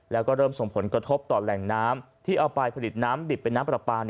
แล้วก็เริ่มส่งผลกระทบต่อแหล่งน้ำที่เอาไปผลิตน้ำดิบเป็นน้ำปลาปลา